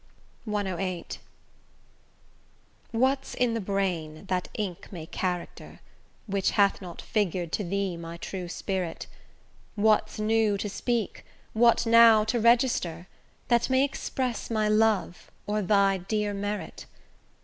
CVIII What's in the brain, that ink may character, Which hath not figur'd to thee my true spirit? What's new to speak, what now to register, That may express my love, or thy dear merit?